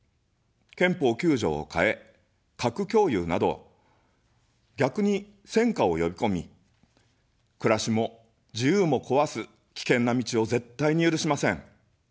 憲法９条を変え、核共有など、逆に戦火をよびこみ、暮らしも自由も壊す、危険な道を絶対に許しません。